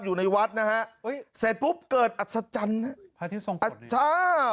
อยู่ในวัดนะฮะอุ้ยเสร็จปุ๊บเกิดอัศจรรย์ไหล้